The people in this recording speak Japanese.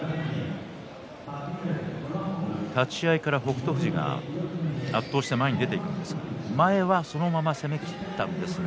立ち合いから北勝富士が圧倒して前に出ていきますが前はそのまま攻めきったんですが